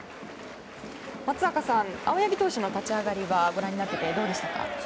松坂さん青柳投手の立ち上がりはご覧になってどうでしたか？